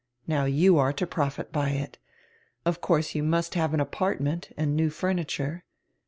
Now you are to profit by it. Of course you must have an apartment and new furniture.